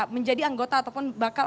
menjadi anggota ataupun bakal